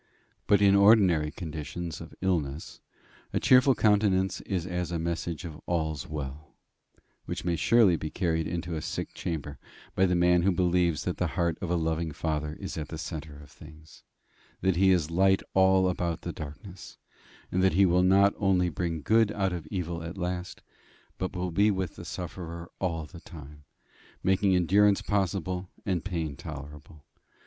But in ordinary conditions of illness a cheerful countenance is as a message of all's well, which may surely be carried into a sick chamber by the man who believes that the heart of a loving Father is at the centre of things, that he is light all about the darkness, and that he will not only bring good out of evil at last, but will be with the sufferer all the time, making endurance possible, and pain tolerable.